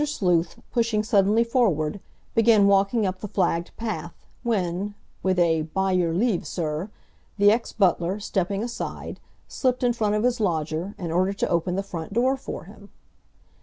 Sleuth, pushing suddenly forward, began walking up the flagged path, when, with a "By your leave, sir," the ex butler, stepping aside, slipped in front of his lodger, in order to open the front door for him.